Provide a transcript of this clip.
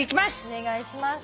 お願いします。